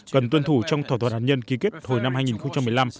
cần tuân thủ trong thỏa thuận hạt nhân ký kết hồi năm hai nghìn một mươi năm